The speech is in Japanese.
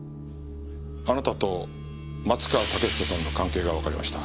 あなたと松川竹彦さんの関係がわかりました。